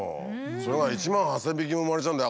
それが１万８，０００匹も生まれちゃうんだよ